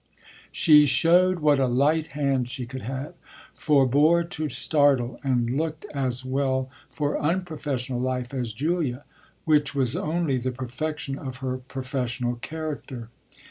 She showed what a light hand she could have, forbore to startle and looked as well, for unprofessional life, as Julia: which was only the perfection of her professional character.